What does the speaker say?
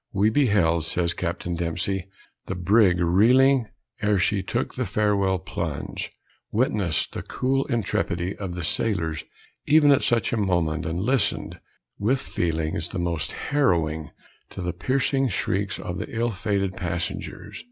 "We beheld," says Capt. Dempsey, "the brig reeling ere she took the farewell plunge witnessed the cool intrepidity of the sailors, even at such a moment and listened, with feelings the most harrowing, to the piercing shrieks of the ill fated passengers.